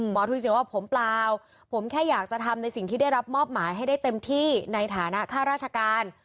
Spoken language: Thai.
ทุยสินว่าผมเปล่าผมแค่อยากจะทำในสิ่งที่ได้รับมอบหมายให้ได้เต็มที่ในฐานะค่าราชการ